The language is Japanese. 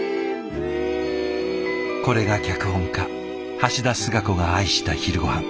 これが脚本家橋田壽賀子が愛した昼ごはん。